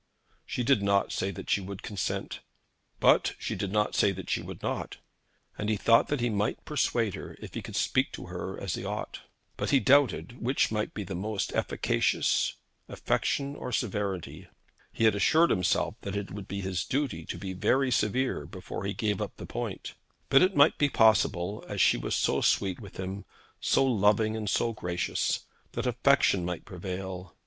She did not say that she would consent; but she did not say that she would not, and he thought that he might persuade her, if he could speak to her as he ought. But he doubted which might be most efficacious, affection or severity. He had assured himself that it would be his duty to be very severe, before he gave up the point; but it might be possible, as she was so sweet with him, so loving and so gracious, that affection might prevail.